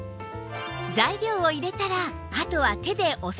材料を入れたらあとは手で押すだけ